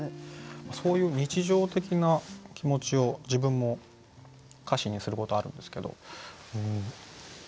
そういう日常的な気持ちを自分も歌詞にすることあるんですけど。